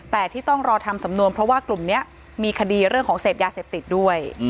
แต่ที่ต้องรอทำสำนวนเพราะว่ากลุ่มนี้มีคดีเรื่องของเสพยาเสพติดด้วย